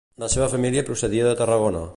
La seva família procedia de Tarragona.